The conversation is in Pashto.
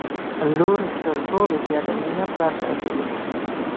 لور تر ټولو زياته مينه پلار سره کوي